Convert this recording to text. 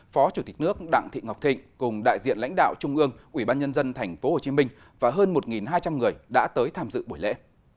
phó chủ tịch nước đặng thị ngọc thịnh cùng đại diện lãnh đạo trung ương ủy ban nhân dân tp hcm và hơn một hai trăm linh người đã tới tham dự buổi lễ